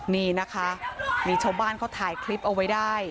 นี่นะคะมีชาวบ้านเขาถ่ายคลิปเอาไว้ได้